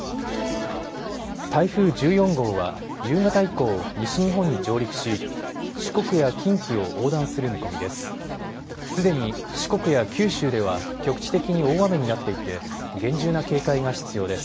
台風１４号は夕方以降、西日本に上陸し四国や近畿を横断する見込みです。